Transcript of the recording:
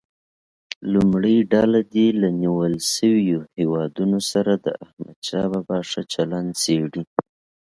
لومړۍ ډله دې له نیول شویو هیوادونو سره د احمدشاه بابا ښه چلند څېړي.